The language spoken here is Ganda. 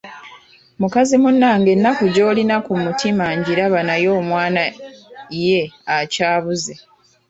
Mukazi munnange ennaku gy'olina ku mutima ngiraba naye omwana ye akyabuze.